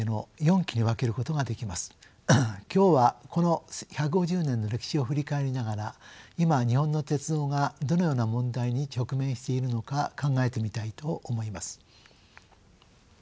今日はこの１５０年の歴史を振り返りながら今日本の鉄道がどのような問題に直面しているのか考えてみたいと思います。